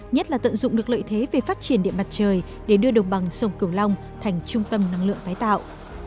nhất là tận dụng được lợi thế về phát triển điện mặt trời để đưa đồng bằng sông cửu long thành trung tâm năng lượng tái tạo